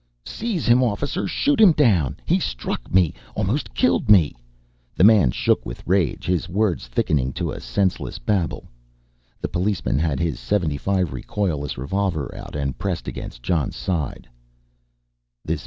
"Seize him, officer, shoot him down ... he struck me ... almost killed me ..." The man shook with rage, his words thickening to a senseless babble. The policeman had his .75 recoilless revolver out and pressed against Jon's side.